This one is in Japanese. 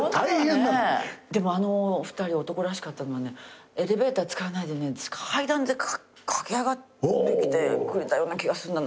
でもあの２人男らしかったのはエレベーター使わないで階段で駆け上がってきてくれたような気がするな。